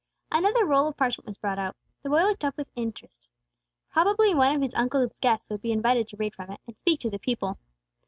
Another roll of parchment was brought out. The boy looked up with interest. Probably one of his uncle's guests would be invited to read from it, and speak to the people.